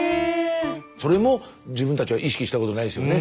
それも自分たちは意識したことないですよね。